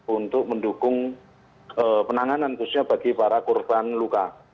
untuk mendukung penanganan khususnya bagi para korban luka